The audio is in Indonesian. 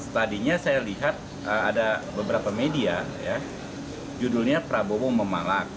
tadinya saya lihat ada beberapa media judulnya prabowo memalak